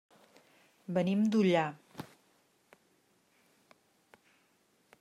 Venim d'Ullà.